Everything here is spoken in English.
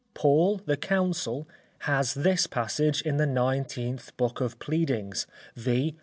Paul, the Counsel, has this passage in the 19th Book of Pleadings, viz.